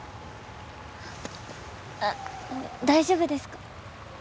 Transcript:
あっ大丈夫ですか？